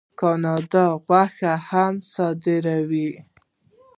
کاناډا غوښه هم صادروي.